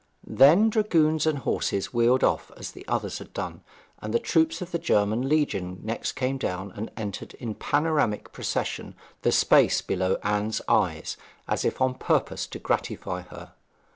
Then dragoons and horses wheeled off as the others had done; and troops of the German Legion next came down and entered in panoramic procession the space below Anne's eyes, as if on purpose to gratify her.